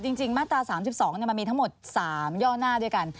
จริงมาตรา๓๒มันมีทั้งหมด๓ย่อหน้าด้วยกัน